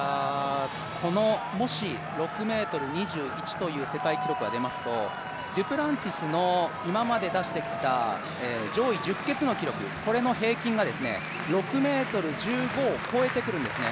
もし、６ｍ２１という世界記録が出ますと、デュプランティスの今まで出してきた上位十傑の記録、これの平均が６ｍ１５を越えてくるんですね。